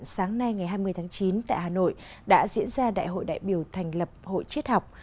sáng nay ngày hai mươi tháng chín tại hà nội đã diễn ra đại hội đại biểu thành lập hội chết học